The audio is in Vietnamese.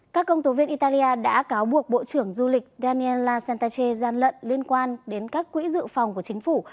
các công tố viên italia đã cáo buộc bộ trưởng du lịch daniella santache gian lận liên quan đến các quỹ dự phòng của chính phủ